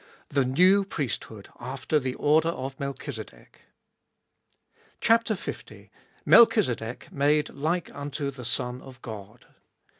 The New Priesthood after the Order of Melchizedek. L. MELCHIZEDEK MADE LIKE UNTO THE SON OF GOD.